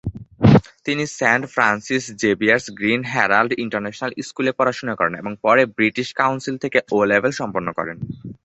তিনি Saint Francis Xavier's Green Herald International স্কুলে পড়াশুনা করেন এবং পরে ব্রিটিশ কাউন্সিল থেকে "ও" লেভেল সম্পন্ন করেন।